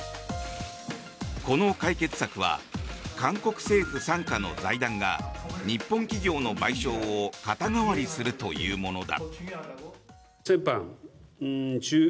この解決策は韓国政府傘下の財団が日本企業の賠償を肩代わりするというものだ。